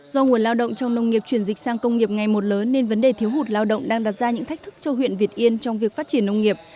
do nguồn lao động trong nông nghiệp chuyển dịch sang công nghiệp ngày một lớn nên vấn đề thiếu hụt lao động đang đặt ra những thách thức cho huyện việt yên trong việc phát triển nông nghiệp